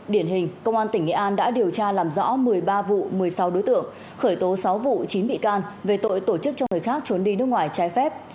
điển hình công an tỉnh nghệ an đã điều tra làm rõ một mươi ba vụ một mươi sáu đối tượng khởi tố sáu vụ chín bị can về tội tổ chức cho người khác trốn đi nước ngoài trái phép